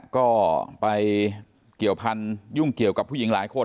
ก็ไปเกี่ยวพันธุยุ่งเกี่ยวกับผู้หญิงหลายคน